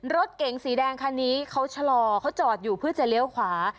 รถเก๋งสีแดงคันนี้เขาชะลอเขาจอดอยู่เพื่อจะเลี้ยวขวา